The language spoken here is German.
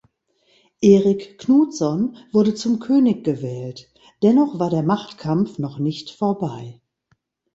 Erik Knutsson wurde zum König gewählt; dennoch war der Machtkampf noch nicht vorbei.